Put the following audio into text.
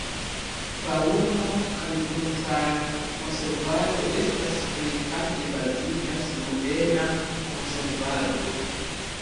Faŭno- kaj brutar-konservado estas plejparte bazita sur ena konservado.